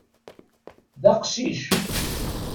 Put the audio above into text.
D aqcic.